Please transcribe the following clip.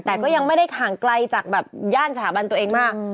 แต่ก็ยังไม่ได้ห่างไกลจากแบบย่านสถาบันตัวเองมาก